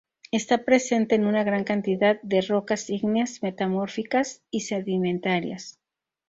Esta presente en una gran cantidad de rocas ígneas, metamórficas y sedimentarias.